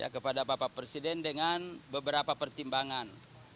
kepada bapak presiden dengan beberapa pertimbangan